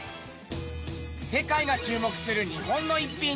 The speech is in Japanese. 世界が注目する日本の逸品。